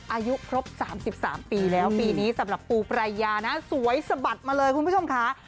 อายุครบ๓๓ปีแล้วปีนี้สำหรับปูปรายานะสวยสะบัดมาเลยคุณผู้ชมค่ะ